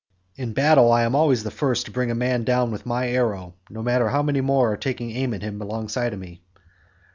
In battle I am always the first to bring a man down with my arrow, no matter how many more are taking aim at him alongside of me.